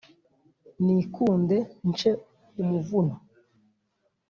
nikunde nce umuvuno